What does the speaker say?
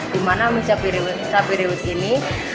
di mana mie cabai rawit ini